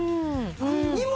荷物